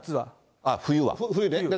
冬は。